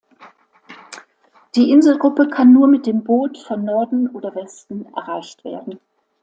Die Inselgruppe kann nur mit dem Boot von Norden oder Westen erreicht werden.